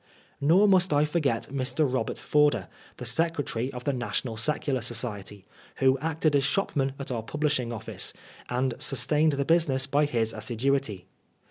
Nor must I forget Mr. Robert Forder, the Secretary of the National Secular Society, who acted as shopman at our publishing office, and sustained the business by his assiduity.